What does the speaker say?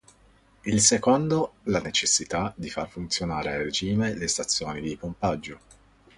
Il secondo la necessità di far funzionare a regime le stazioni di pompaggio.